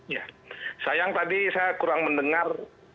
ya sayang tadi saya kurang mendengar